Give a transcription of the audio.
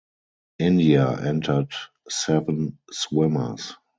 India entered seven swimmers.